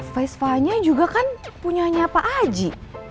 vesvanya juga kan punya pak aji